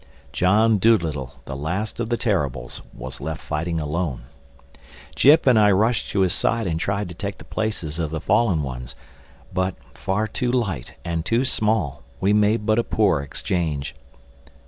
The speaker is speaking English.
John Dolittle, the last of the Terribles, was left fighting alone. Jip and I rushed to his side and tried to take the places of the fallen ones. But, far too light and too small, we made but a poor exchange.